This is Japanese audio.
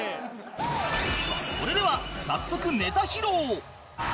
それでは早速ネタ披露